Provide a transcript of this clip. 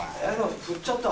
フっちゃった？